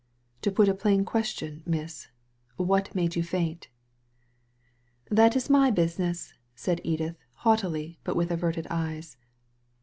To put a plain question, miss, * What made you faint ?'" '*That is my business!" said Edith, haughtily, but with averted eyes.